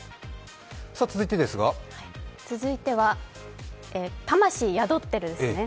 続いては魂宿ってる、ですね。